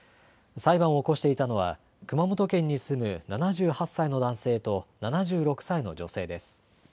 裁判を起こしていたのは熊本県に住む７８歳の男性と７６歳の女性です。